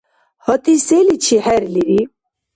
ГьатӀи, селичи хӀерлири?